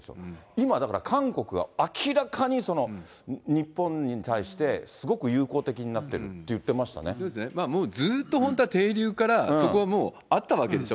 今、だから韓国は明らかに日本に対してすごく友好的になってるって言そうですね、もうずっと底流からそこはもうあったわけでしょ？